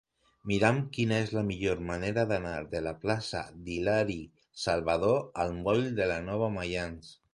Mira'm quina és la millor manera d'anar de la plaça d'Hilari Salvadó al moll de la Nova Maians.